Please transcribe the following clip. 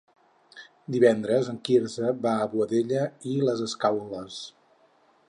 Divendres en Quirze va a Boadella i les Escaules.